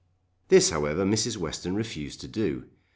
This however Mrs. Western refused to do.